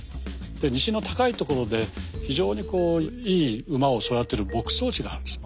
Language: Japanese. で西の高いところで非常にこういい馬を育てる牧草地があるんです。